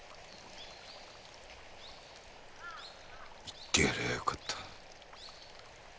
言ってやりゃよかった。